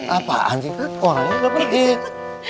apaan sih orangnya nggak pedih